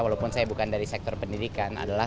walaupun saya bukan dari sektor pendidikan adalah